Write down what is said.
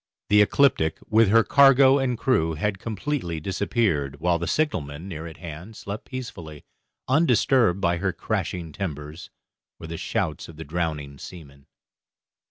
The 'Ecliptic', with her cargo and crew, had completely disappeared, while the signalman, near at hand, slept peacefully, undisturbed by her crashing timbers, or the shouts of the drowning seamen.